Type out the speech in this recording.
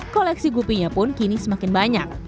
koleksi gupinya pun kini semakin banyak